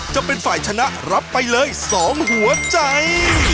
จะเป็นฝ่ายชนะรับไปเลย๒หัวใจ